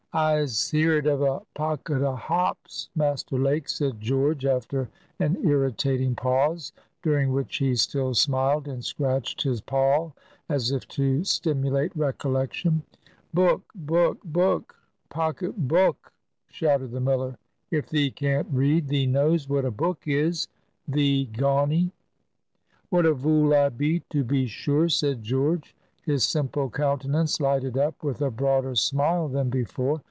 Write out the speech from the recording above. "I'se eerd of a pocket of hops, Master Lake," said George, after an irritating pause, during which he still smiled, and scratched his poll as if to stimulate recollection. "Book—book—book! pocket book!" shouted the miller. "If thee can't read, thee knows what a book is, thee gawney!" "What a vool I be, to be sure!" said George, his simple countenance lighted up with a broader smile than before.